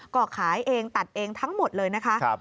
ก็ขายเองตัดเองทั้งหมดเลยนะคะ